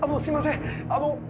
すいませんあの。